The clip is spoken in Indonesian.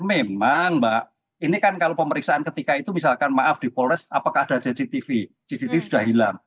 memang mbak ini kan kalau pemeriksaan ketika itu misalkan maaf di polres apakah ada cctv cctv sudah hilang